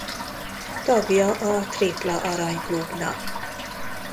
Tagja a Tripla Arany Klubnak.